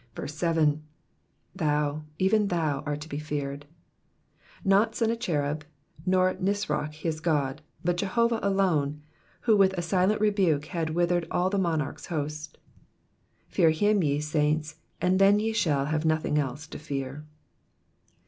7. ^^Thou^ even thou, art to he feared,"' Not Sennacherib, nor Nisroch his god, but Jehovah alone, who with a silent rebuke had withered all the monarch's host. '* Fear him, ve saints, and then ye shall Uavo uotlung else to fear."